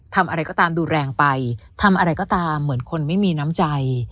ทำอะไรก็ตามดูแรงไปทำอะไรก็ตามเหมือนคนไม่มีน้ำใจ